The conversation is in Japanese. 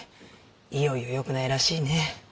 いよいよよくないらしいね。